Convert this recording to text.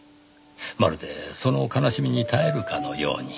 まるでその悲しみに耐えるかのように。